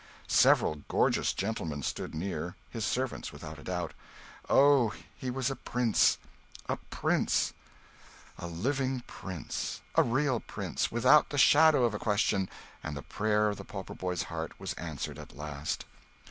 Several gorgeous gentlemen stood near his servants, without a doubt. Oh! he was a prince a prince, a living prince, a real prince without the shadow of a question; and the prayer of the pauper boy's heart was answered at last.